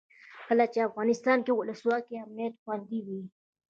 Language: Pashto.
کله چې افغانستان کې ولسواکي وي امنیت خوندي وي.